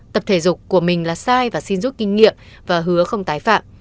tập thể dục của mình là sai và xin rút kinh nghiệm và hứa không tái phạm